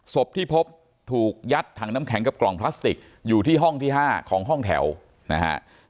ศพที่พบถูกยัดถังน้ำแข็งกับกล่องพลาสติกอยู่ที่ห้องที่๕ของห้องแถวนะฮะ